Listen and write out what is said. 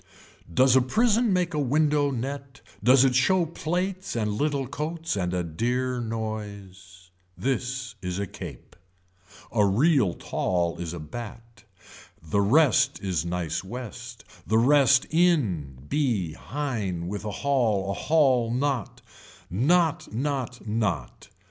Does a prison make a window net does it show plates and little coats and a dear noise. This is a cape. A real tall is a bat, the rest is nice west, the rest in, be hine with a haul a haul not. Knot not knot.